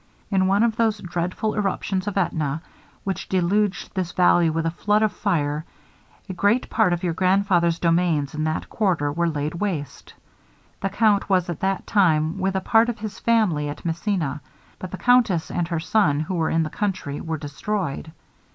In one of those dreadful eruptions of AEtna, which deluged this valley with a flood of fire, a great part of your grandfather's domains in that quarter were laid waste. The count was at that time with a part of his family at Messina, but the countess and her son, who were in the country, were destroyed.